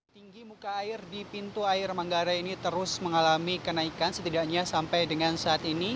tinggi muka air di pintu air manggarai ini terus mengalami kenaikan setidaknya sampai dengan saat ini